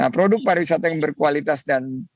produk pariwisata yang berkualitas dan